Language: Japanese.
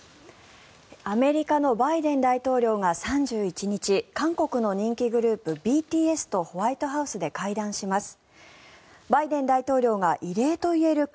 アメリカのバイデン大統領が３１日韓国の人気グループ、ＢＴＳとホワイトハウスで会談します。